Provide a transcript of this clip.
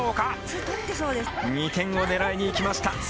２点を狙いにいきました。